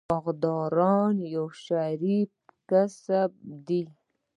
باغداري یو شریف کسب دی.